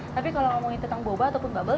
tapi kalau ngomongin tentang boba ataupun bubble